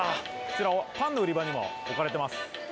パンの売り場にも置かれてます。